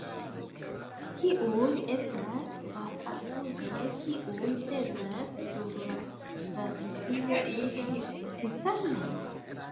Kiuj estas la akuzoj kiuj pezas sur la tradicio juda kristana?